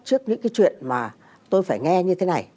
trước những cái chuyện mà tôi phải nghe như thế này